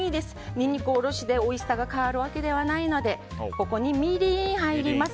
ニンニクおろしで、おいしさが変わるわけではないのでここに、みりん入ります。